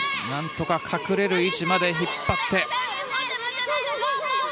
なんとか隠れる位置まで引っ張って。